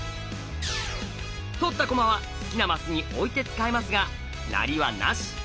取った駒は好きなマスに置いて使えますが成りはなし。